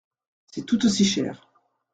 C’est tout aussi cher.